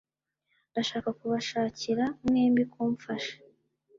ndashaka kubashakira mwembi kumfasha